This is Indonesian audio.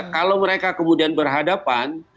kalau mereka kemudian berhadapan